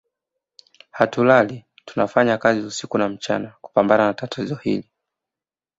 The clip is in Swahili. Hatulali tunafanya kazi usiku na mchana kupambana na tatizo hili